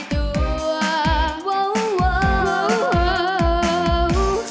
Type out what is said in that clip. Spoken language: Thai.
รักใคร